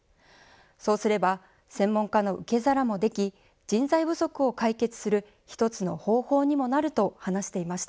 そうすれば、専門家の受け皿もでき、人材不足を解決する一つの方法にもなると話していました。